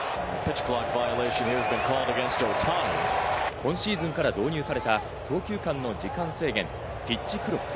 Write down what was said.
今シーズンから導入された投球間の時間制限、ピッチクロック。